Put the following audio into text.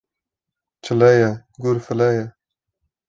Çile ye, gur file ye